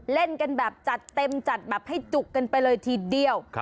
เล่นกันแบบจัดเต็มจัดแบบให้จุกกันไปเลยทีเดียว